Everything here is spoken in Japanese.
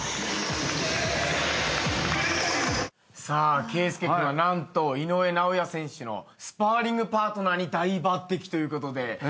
さあ圭佑君は何と井上尚弥選手のスパーリングパートナーに大抜てきということで。